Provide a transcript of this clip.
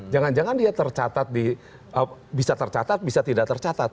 dan jangan dia tercatat di bisa tercatat bisa tidak tercatat